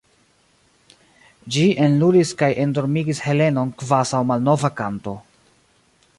Ĝi enlulis kaj endormigis Helenon kvazaŭ malnova kanto.